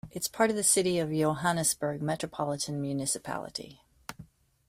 It is part of the City of Johannesburg Metropolitan Municipality.